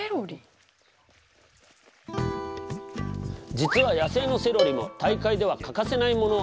実は野生のセロリも大会では欠かせないもの。